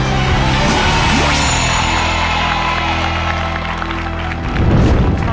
สุดท้าย